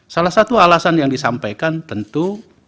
salah satu alasan yang disampaikan tentu